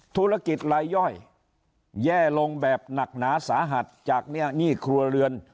ธุรกิจลายย่อยแย่ลงแบบหนักหนาสาหัสจากหนี้ครัวเรือน